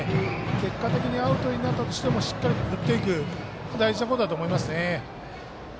結果的にアウトになったとしても振っていく、これが大事なことだと思いますね。